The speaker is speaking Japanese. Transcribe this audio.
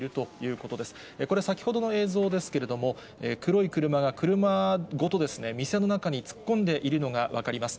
これ、先ほどの映像ですけれども、黒い車が車ごと店の中に突っ込んでいるのが分かります。